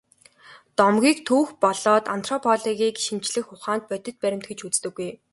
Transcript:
Домгийг түүх болоод антропологийн шинжлэх ухаанд бодит баримт гэж үздэггүй.